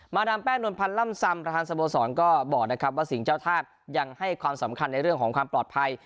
ดามแป้งนวลพันธ์ล่ำซำประธานสโมสรก็บอกนะครับว่าสิ่งเจ้าธาตุยังให้ความสำคัญในเรื่องของความปลอดภัย